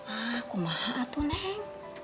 aku mahak atuh neng